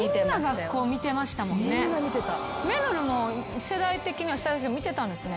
めるるも世代的には下ですけど見てたんですね。